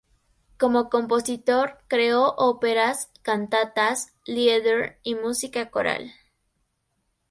Como compositor, creó óperas, cantatas, lieder y música coral.